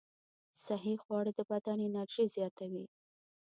صحي خواړه د بدن انرژي زیاتوي.